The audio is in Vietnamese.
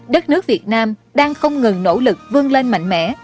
đất nước việt nam đang không ngừng nỗ lực vươn lên mạnh mẽ